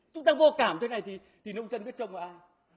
chúng ta vô cảm thế này thì nông dân biết trông là ai